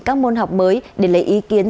các môn học mới để lấy ý kiến